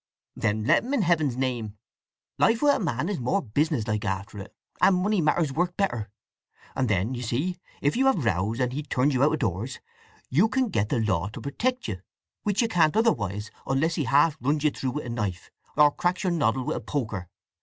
"Then let him, in Heaven's name. Life with a man is more businesslike after it, and money matters work better. And then, you see, if you have rows, and he turns you out of doors, you can get the law to protect you, which you can't otherwise, unless he half runs you through with a knife, or cracks your noddle with a poker.